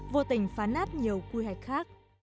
vô tình phá nát nhiều quy hoạch khác